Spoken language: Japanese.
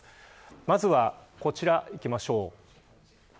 まずは、こちらいきましょう。